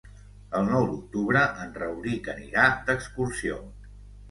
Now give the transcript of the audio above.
El nou d'octubre en Rauric anirà d'excursió.